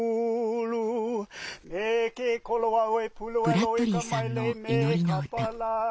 ブラッドリーさんの祈りの歌。